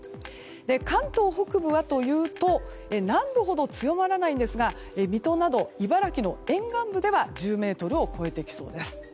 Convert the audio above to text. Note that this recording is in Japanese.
関東北部はというと南部ほど強まらないんですが水戸など茨城の沿岸部では１０メートルを超えてきそうです。